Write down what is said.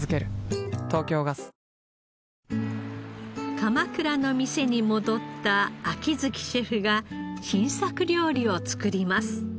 鎌倉の店に戻った秋月シェフが新作料理を作ります。